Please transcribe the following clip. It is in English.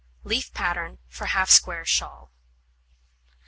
Leaf Pattern for Half Square Shawl.